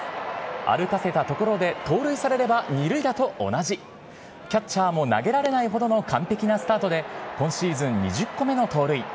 歩かせたところで盗塁されれば２塁打と同じキャッチャーも投げられないほどの完璧なスタートで、今シーズン２０個目の盗塁。